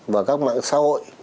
và các mạng xã hội